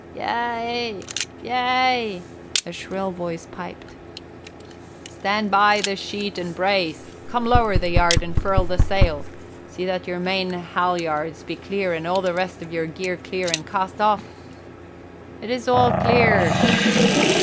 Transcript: "Yea, yea!" a shrill voice piped. "Stand by the sheet and brace come lower the yard and furl the sail see that your main halyards be clear and all the rest of your gear clear and cast off." "It is all clear."